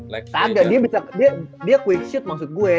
agak dia bisa dia quick shoot maksud gue